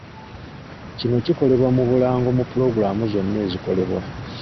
Kino kikolebwe mu bulango mu pulogulaamu zonna ezikolebwa.